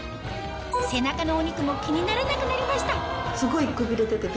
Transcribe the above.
背中のお肉も気にならなくなりましたすごい。